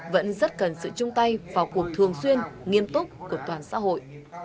vẫn rất cần sự chung tay vào cuộc thường xuyên nghiêm túc của toàn xã hội